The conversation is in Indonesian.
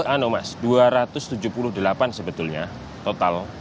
ano mas dua ratus tujuh puluh delapan sebetulnya total